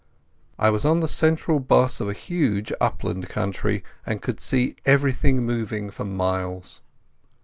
I was on the central boss of a huge upland country, and could see everything moving for miles.